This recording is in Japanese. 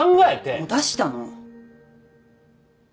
もう出したの。